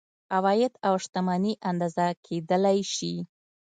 عواید او شتمني اندازه کیدلی شي.